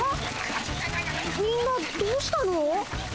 みんなどうしたの？